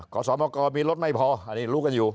สมกรมีรถไม่พออันนี้รู้กันอยู่